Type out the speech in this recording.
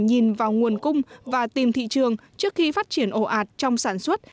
nguồn cung và tìm thị trường trước khi phát triển ổ ạt trong sản xuất